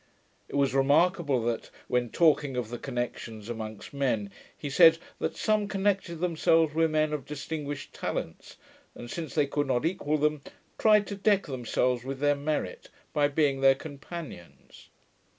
It was remarkable that, when talking of the connections amongst men, he said, that some connected themselves with men of distinguished talents, and since they could not equal them, tried to deck themselves with their merit, by being their companions.